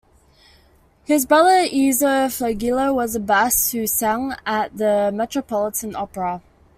His brother Ezio Flagello was a bass who sang at the Metropolitan Opera.